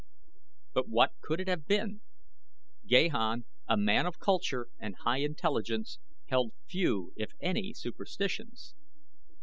But what could it have been? Gahan, a man of culture and high intelligence, held few if any superstitions.